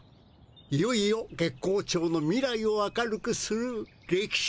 いよいよ月光町の未来を明るくするれきし